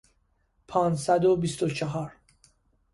پانصد و بیست و چهار